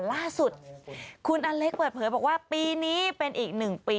ล่าสุดคุณอเล็กเปิดเผยบอกว่าปีนี้เป็นอีก๑ปี